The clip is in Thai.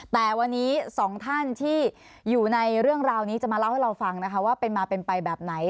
แต่วันนี้สองท่านที่อยู่ในเรื่องราวนี้จะมาเล่าให้เราฟังนะคะว่าเป็นมาเป็นไปแบบไหน